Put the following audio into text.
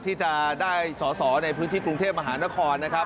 ที่จะได้สอสอในพื้นที่กรุงเทพมหานครนะครับ